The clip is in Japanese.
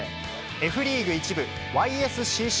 Ｆリーグ１部ＹＳＣＣ